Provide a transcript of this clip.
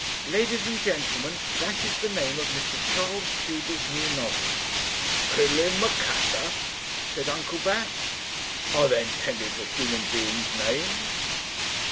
'Ladies and gentlemen, that is the name of Mr. Charles Tudor's new novel.' 'Crinoline and Macassar!' said Uncle Bat. 'Are they intended for human beings' names?'